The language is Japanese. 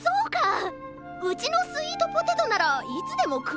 うちのスイートポテトならいつでもくえるしな。